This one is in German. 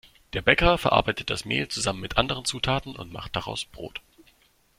Der Bäcker verarbeitet das Mehl zusammen mit anderen Zutaten und macht daraus Brot.